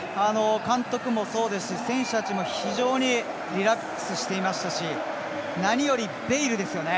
監督もそうですし選手たちも非常にリラックスしていましたし何より、ベイルです。